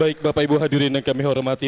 baik bapak ibu hadirin yang kami hormati